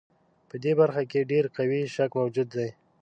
په دې برخه کې ډېر قوي شک موجود دی.